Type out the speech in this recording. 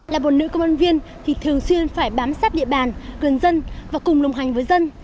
là một nữ công an viên thì thường xuyên phải bám sát địa bàn gần dân và cùng đồng hành với dân